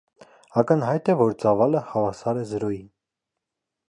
Ակնհայտ է, որ ծավալը հավասար է զրոյի։